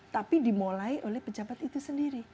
tapi dimulai oleh pejabat itu sendiri